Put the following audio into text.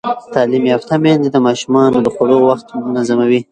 تعلیم یافته میندې د ماشومانو د خوړو وخت منظموي.